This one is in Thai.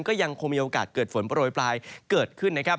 ก็ยังคงมีโอกาสเกิดฝนปะโรยปลายเกิดขึ้น